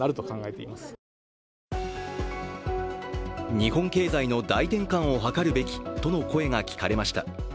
日本経済の大転換を図るべきとの声が聞かれました。